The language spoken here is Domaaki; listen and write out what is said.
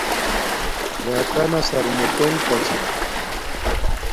راکانا سرمڎنݣ تا چھے